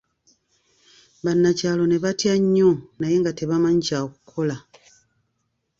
Banakyalo ne batya nnyo naye nga tebamanyi ky'akukola.